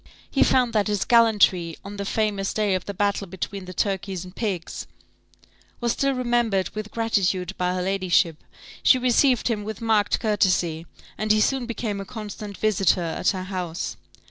He found that his gallantry, on the famous day of the battle between the turkeys and pigs, was still remembered with gratitude by her ladyship; she received him with marked courtesy, and he soon became a constant visitor at her house.